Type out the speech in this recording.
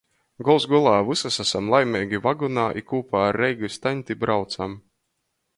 Gols golā vysys asam laimeigi vagonā i kūpā ar Reigys taņti braucam.